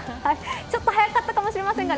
ちょっと速かったかもしれませんが